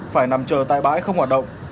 phải nằm chở tại bãi không hoạt động